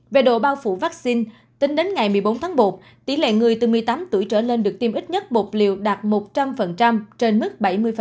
về độ bao phủ vaccine tính đến ngày một mươi bốn tháng một tỷ lệ người từ một mươi tám tuổi trở lên được tiêm ít nhất bột liều đạt một trăm linh trên mức bảy mươi